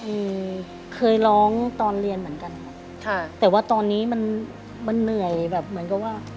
อืมเคยร้องตอนเรียนเหมือนกันค่ะแต่ว่าตอนนี้มันมันเหนื่อยแบบเหมือนกับว่า